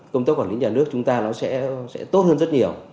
công tác quản lý nhà nước chúng ta nó sẽ tốt hơn rất nhiều